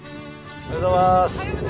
おはようございます。